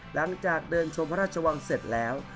หลังจากเดินชมพระราชวังเสร็จแล้ว